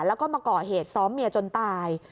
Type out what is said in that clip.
แล้วก็มาก่อเหตุซ้อมเมียจนตาย